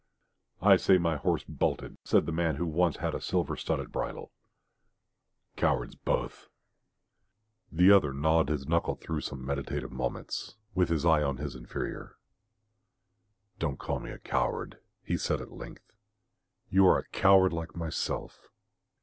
"I say my horse bolted," said the man who once had a silver studded bridle. "Cowards both," said the little man. The other gnawed his knuckle through some meditative moments, with his eye on his inferior. "Don't call me a coward," he said at length. "You are a coward like myself."